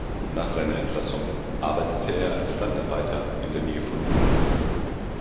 Nach seiner Entlassung arbeitete er als Landarbeiter in der Nähe von Lüneburg.